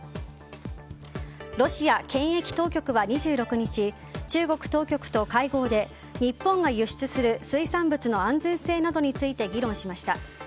ロシア検疫当局は２６日中国当局と会合で日本が輸出する水産物の安全性などについて議論しました。